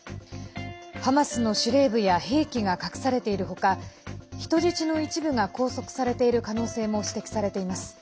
ハマスの司令部や兵器が隠されている他人質の一部が拘束されている可能性も指摘されています。